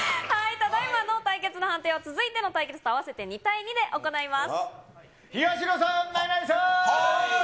ただいまの対決の判定は、続いての対決と合わせて２対２で行います。